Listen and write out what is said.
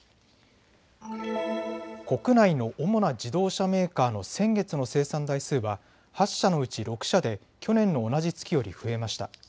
国内の主な自動車メーカーの先月の生産台数は８社のうち６社で去年の同じ月より増えました。